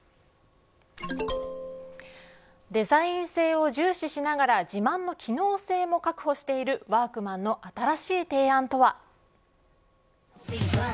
デザイン性を重視しながら自慢の機能性も確保しているワークマンの新しい提案とは。